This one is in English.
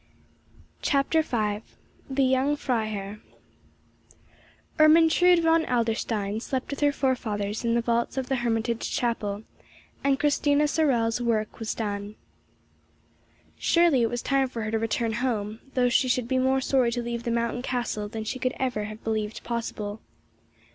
CHAPTER V THE YOUNG FREIHERR ERMENTRUDE VON ADLERSTEIN slept with her forefathers in the vaults of the hermitage chapel, and Christina Sorel's work was done. Surely it was time for her to return home, though she should be more sorry to leave the mountain castle than she could ever have believed possible.